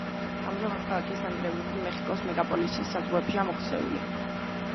ამჟამად ქალაქის ნანგრევები მეხიკოს მეგაპოლისის საზღვრებშია მოქცეული.